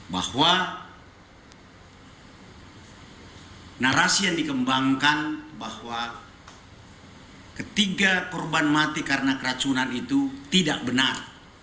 bahwa narasi yang dikembangkan bahwa ketiga korban mati karena keracunan itu tidak benar